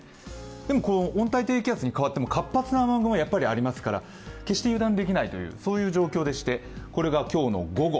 でも温帯低気圧に変わっても活発な雨雲はありますから決して油断できないという状況でして、これが今日の午後。